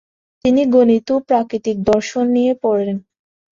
তিনি গণিত ও প্রাকৃতিক দর্শন নিয়ে পড়েন।